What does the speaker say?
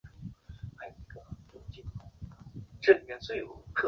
她老著想和阿公一起养鹅